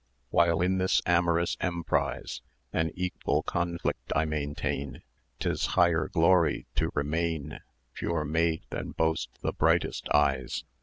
While in this amorous emprise An equal conflict I maintain, 'Tis higher glory to remain Pure maid, than boast the brightest eyes.